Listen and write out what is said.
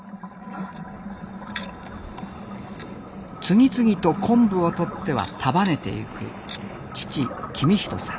次々と昆布をとっては束ねてゆく父公人さん。